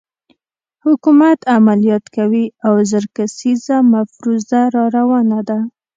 حکومت عملیات کوي او زر کسیزه مفروزه راروانه ده.